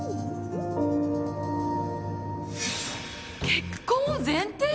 結婚を前提？